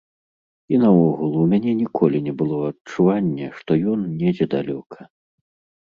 І наогул, у мяне ніколі не было адчування, што ён недзе далёка.